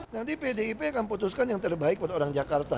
nanti pdip akan putuskan yang terbaik buat orang jakarta